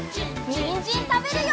にんじんたべるよ！